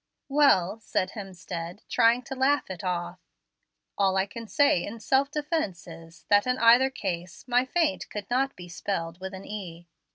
"Well," said Hemstead, trying to laugh it off, "all I can say in self defence is, that in either case my faint could not be spelled with an e.